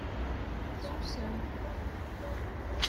Ssusem!